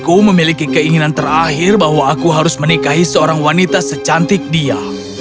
aku memiliki keinginan terakhir bahwa aku harus menikahi seorang wanita secantik dia